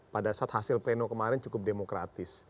pada saat hasil pleno kemarin cukup demokratis